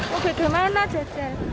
mau pergi kemana jajan